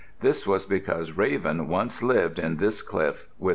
This was because Raven once lived in this cliff with North Wind.